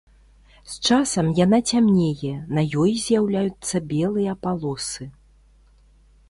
З часам яна цямнее, на ёй з'яўляюцца белыя палосы.